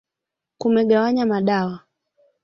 Kumegawanywa madawa